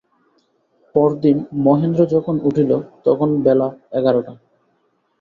পরদিন মহেন্দ্র যখন উঠিল তখন বেলা এগারোটা।